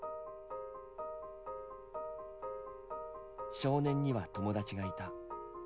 少年には友達がいた。